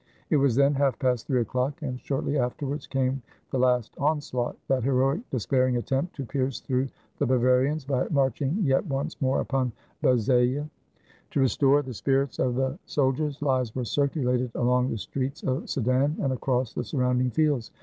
It was then half past three o'clock, and shortly afterwards came the last onslaught, that heroic, despairing attempt to pierce through the Bavarians by marching yet once more upon Bazeilles. To restore the spirits of the sol diers, lies were circulated along the streets of Sedan and across the surrounding fields.